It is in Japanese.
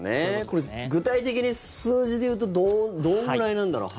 これ、具体的に数字でいうとどんぐらいなんだろう。